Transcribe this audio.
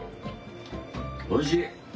おいしい！